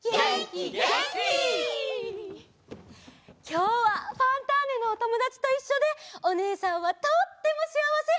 きょうは「ファンターネ！」のおともだちといっしょでおねえさんはとってもしあわせ！